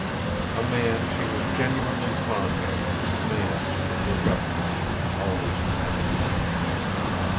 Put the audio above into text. A man she was genuinely fond of, a man she could look up to, always depend upon.